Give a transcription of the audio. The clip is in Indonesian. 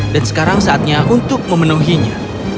dan sekarang saatnya untuk memenuhinya